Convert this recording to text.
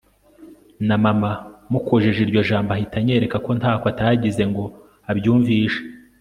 na mama iyo mukojeje iryo jambo ahita anyereka ko ntako atagize ngo abyumvishe